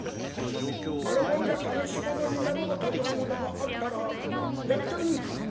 喜んで試しものになろうという者があったらやってみんか」。